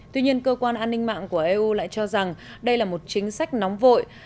tuy nhiên cơ quan an ninh mạng của eu lại cho rằng đây là một chính sách nóng vội